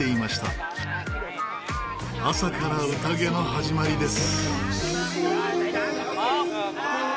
朝から宴の始まりです。